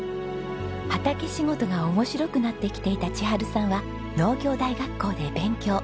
畑仕事が面白くなってきていた千春さんは農業大学校で勉強。